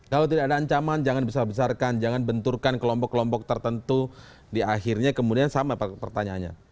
kalau tidak ada ancaman jangan besar besarkan jangan benturkan kelompok kelompok tertentu di akhirnya kemudian sama pertanyaannya